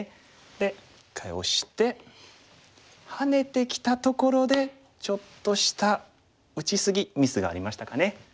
で一回オシてハネてきたところでちょっとした打ち過ぎミスがありましたかね。